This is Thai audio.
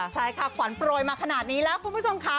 ใช่ค่ะขวัญโปรยมาขนาดนี้แล้วคุณผู้ชมค่ะ